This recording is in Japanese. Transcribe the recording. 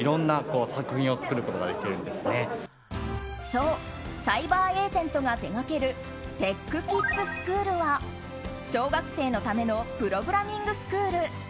そうサイバーエージェントが手がけるＴｅｃｈＫｉｄｓＳｃｈｏｏｌは小学生のためのプログラミングスクール。